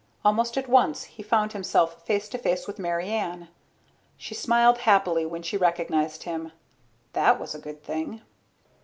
Almost at once he found himself face to face with Mary Ann. She smiled happily when she recognized him. That was a good thing.